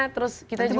terus kita juga